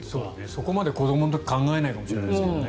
そこまで子どもの頃考えないかもしれない。